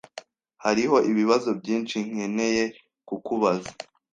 Hariho ibibazo byinshi nkeneye kukubaza.